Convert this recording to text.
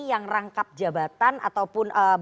yang rangkap jabatan ataupun